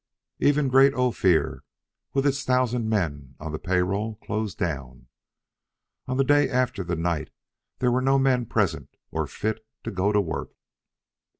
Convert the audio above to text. Even great Ophir, with its thousand men on the pay roll, closed down. On the day after the night there were no men present or fit to go to work.